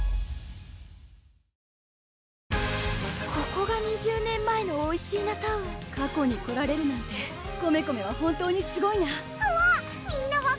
ここが２０年前のおいしーなタウン過去に来られるなんてコメコメは本当にすごいなふわ！